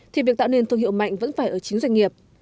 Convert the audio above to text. thì việc tạo nên thương hiệu mạnh vẫn phải ở chính doanh nghiệp